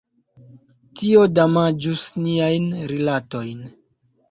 Tio damaĝus niajn rilatojn.